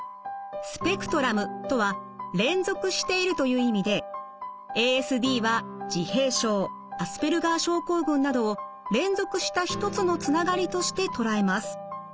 スペクトラムとは連続しているという意味でＡＳＤは自閉症アスペルガー症候群などを連続した一つのつながりとして捉えます。